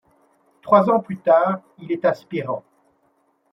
Trois ans plus tard, il est aspirant.